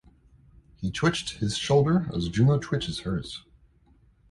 He twitched his shoulder as Juno twitches hers.